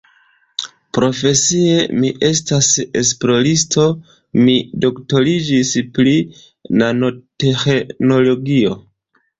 Profesie mi estas esploristo, mi doktoriĝis pri nanoteĥnologio.